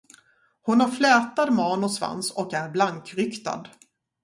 Hon har flätad man och svans och är blankryktad.